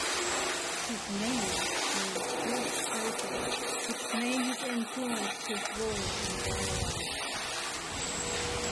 His name means "fierce fighter", which may have influenced his role in the dialogue.